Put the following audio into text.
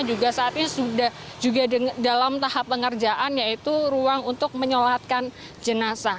juga saat ini sudah juga dalam tahap pengerjaan yaitu ruang untuk menyolatkan jenazah